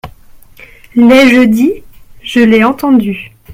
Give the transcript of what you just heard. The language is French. L'ai-je dit ? Je l'ai entendu.